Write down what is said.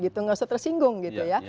tidak usah tersinggung begitu ya